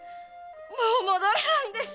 もう戻れないんです！